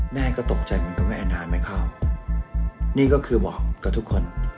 แม่ก็ตกใจเหมือนกับแม่น้ำไม่เข้านี่ก็คือบอกกับทุกคน